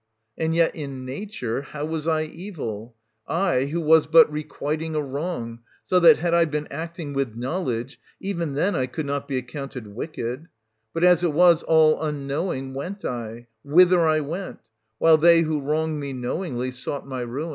270 And yet in nature how was I evil ? I, who was but requiting a wrong, so that, had I been acting with knowledge, even then I could not be accounted wicked ; but, as it was, all unknowing went I — whither I went — while they who wronged me knowingly sought my ruin.